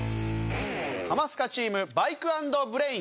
ハマスカチームバイク＆ブレイン！